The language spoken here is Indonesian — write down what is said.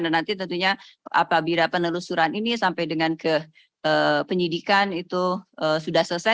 dan nanti tentunya apabila penelusuran ini sampai dengan penyidikan itu sudah selesai